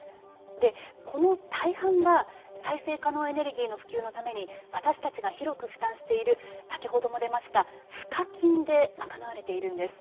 この大半は再生可能エネルギーの普及のために私たちが広く負担している先ほども出ました賦課金で賄われているんです。